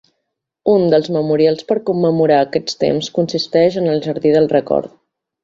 Un dels memorials per commemorar aquests temps consisteix en el jardí del record.